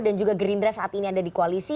dan juga gerindra saat ini ada di koalisi